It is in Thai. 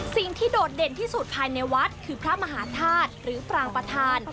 โดดเด่นที่สุดภายในวัดคือพระมหาธาตุหรือปรางประธาน